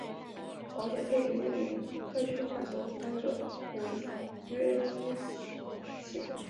保险费决定于债券发行方的违约风险。